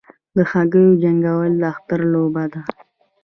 د هګیو جنګول د اختر لوبه ده.